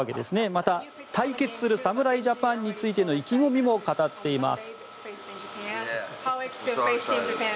また、対決する侍ジャパンについての意気込みも語っています。